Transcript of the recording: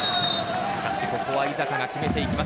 ここは井坂に決めていきます。